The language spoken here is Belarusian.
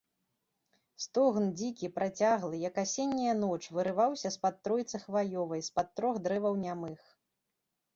Стогн дзікі, працяглы, як асенняя ноч, вырываўся з-пад тройцы хваёвай, з-пад трох дрэваў нямых.